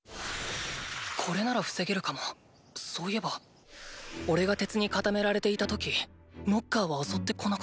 これなら防げるかもそういえばおれが鉄に固められていた時ノッカーは襲ってこなかった。